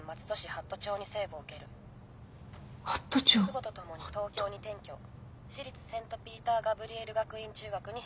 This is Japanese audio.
父母と共に東京に転居私立セントピーターガブリエル学院中学に編入。